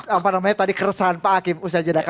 apa namanya tadi keresahan pak hakim usyajadaka